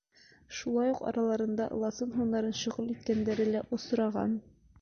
Шулай уҡ араларында ыласын һунарын шөғөл иткәндәре лә осраған.